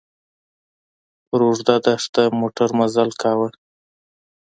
پر اوږده دښته موټر مزل کاوه.